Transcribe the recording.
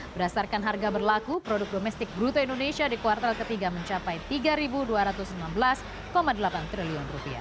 berdasarkan harga berlaku produk domestik bruto indonesia di kuartal ketiga mencapai rp tiga dua ratus enam belas delapan triliun